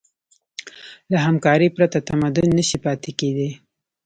له همکارۍ پرته تمدن نهشي پاتې کېدی.